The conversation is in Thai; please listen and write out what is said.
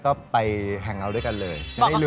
ก็ไปแห่งเราด้วยกันเลย